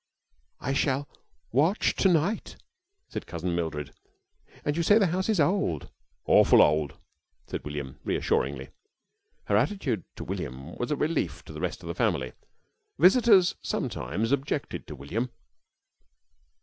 "I shall watch to night," said Cousin Mildred. "And you say the house is old?" "Awful old," said William, reassuringly. Her attitude to William was a relief to the rest of the family. Visitors sometimes objected to William.